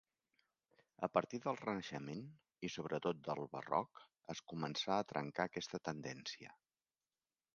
A partir del Renaixement i, sobretot, del barroc es començà a trencar aquesta tendència.